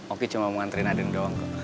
oke cuma mau ngantri nadin doang kok